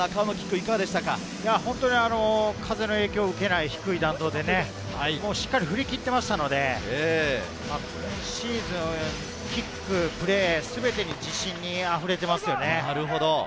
風の影響を受けない低い弾道で、しっかり振り切っていましたので、今シーズン、キック、プレー、すべてに自信に溢れていますね。